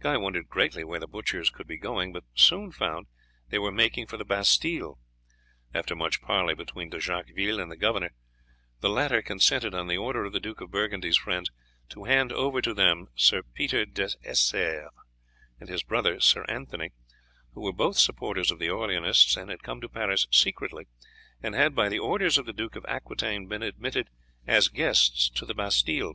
Guy wondered greatly where the butchers could be going, but soon found that they were making for the Bastille. After much parley between De Jacqueville and the governor, the latter consented, on the order of the Duke of Burgundy's friends, to hand over to them Sir Peter des Essars and his brother Sir Anthony, who were both supporters of the Orleanists and had come to Paris secretly, and had by the orders of the Duke of Aquitaine been admitted as guests to the Bastille.